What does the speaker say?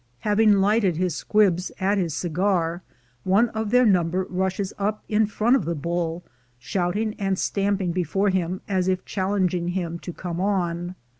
Having lighted his squibs at his cigar, one of their number rushes up in front of the bull, shouting and stamping before him, as if challenging him to come on.